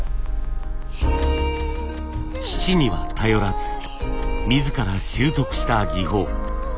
父には頼らず自ら習得した技法。